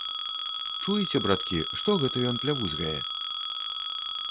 Чуеце, браткі, што гэта ён плявузгае?